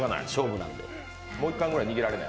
もう１貫ぐらい握れない？